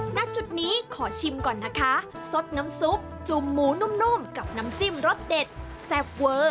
ณจุดนี้ขอชิมก่อนนะคะสดน้ำซุปจุ่มหมูนุ่มกับน้ำจิ้มรสเด็ดแซ่บเวอร์